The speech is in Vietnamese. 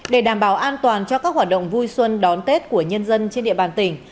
để đảm bảo an toàn cho các hoạt động vui xuân đón tết của nhân dân trên địa bàn tỉnh